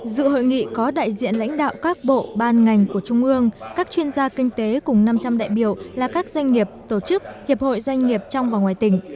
dự hội nghị có đại diện lãnh đạo các bộ ban ngành của trung ương các chuyên gia kinh tế cùng năm trăm linh đại biểu là các doanh nghiệp tổ chức hiệp hội doanh nghiệp trong và ngoài tỉnh